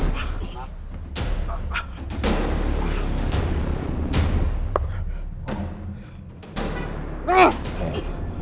ini adalah prayer dari hayat saya yang terbuka